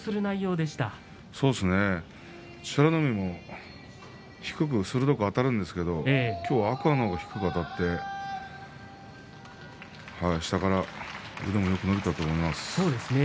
そうですね美ノ海も低く鋭くあたるんですけど今日、天空海の方が低くあたって下から腕もよく伸びたと思います。